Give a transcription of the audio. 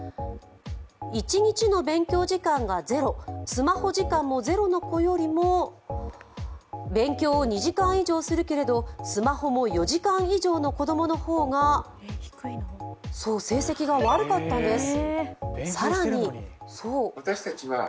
一日の勉強時間がゼロ、スマホ時間もゼロの子よりも勉強を２時間以上するけれど、スマホも４時間以上の子どもの方が成績が悪かったんです。